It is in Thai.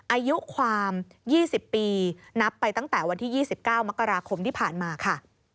อายุความ๒๐ปีนับไปตั้งแต่วันที่๒๙มกราคมที่ผ่านมาค่ะ